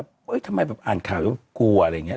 เอ้ยทำไมแบบอ่านข่าวกลัวอะไรอย่างเงี้ย